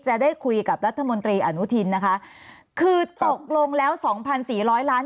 จะได้คุยกับรัฐมนตรีอนุทินนะคะคือตกลงแล้ว๒๔๐๐ล้าน